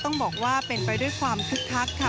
ต้องบอกว่าเป็นไปด้วยความคึกคักค่ะ